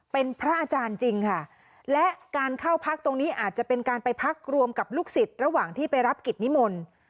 เป็นพระอาจารย์จริงค่ะและการเข้าพักตรงนี้อาจจะเป็นการไปพักรวมกับลูกศิษย์ระหว่างที่ไปรับกิจนิมนต์